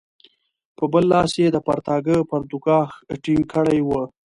په بل لاس یې د پرتاګه پرتوګاښ ټینګ کړی وو.